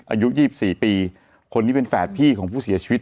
อายุ๒๔ปีคนนี้เป็นแฝดพี่ของผู้เสียชีวิต